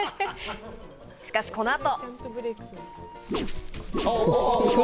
しかしこのあと。